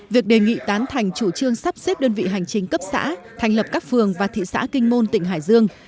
việc đề nghị tán thành chủ trương sắp xếp đơn vị hành chính cấp xã thành lập các phường và thị xã kinh môn tỉnh hải dương